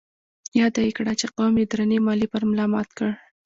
ياده يې کړه چې قوم يې درنې ماليې پر ملا مات کړ.